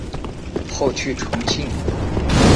后去重庆。